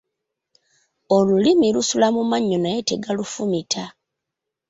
Olulimi lusula mu mannyo naye tegalufumita.